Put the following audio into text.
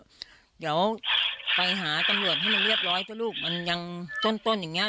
เดี๋ยวไปหาตำรวจให้มันเรียบร้อยเจ้าลูกมันยังต้นอย่างนี้